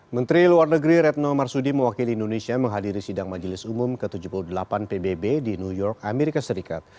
menteri luar negeri retno marsudi mewakili indonesia menghadiri sidang majelis umum ke tujuh puluh delapan pbb di new york amerika serikat